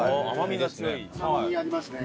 甘みありますね。